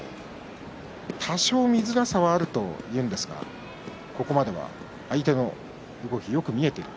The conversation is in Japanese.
多少見にくさはあるといいますけれども、ここまでは相手の動きがよく見えていると。